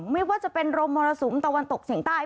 ไม่ว่าจะเป็นลมมรสุมตะวันตกเฉียงใต้